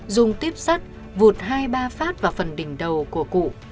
dùng tuyếp sắt vụt hai ba phát vào phần đỉnh đầu của cụ